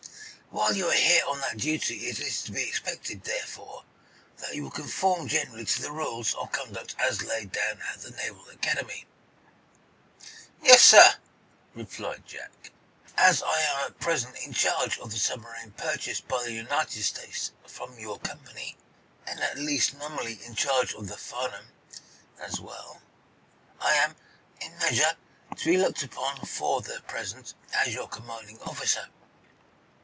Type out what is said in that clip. While you are here on that duty it is to be expected, therefore, that you will conform generally to the rules of conduct as laid down at the Naval Academy." "Yes, sir," replied Jack. "As I am at present in charge of the submarine purchased by the United States from your company, and at least in nominal charge of the 'Farnum,' as well, I am, in a measure, to be looked upon, for the present, as your commanding officer."